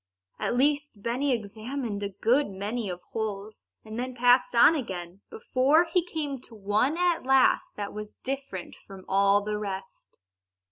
At least, Benny examined a good many holes, and then passed on again, before he came to one at last that was different from all the rest.